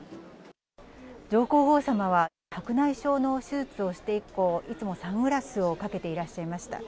上皇后さまは、白内障の手術をして以降、いつもサングラスをかけていらっしゃいました。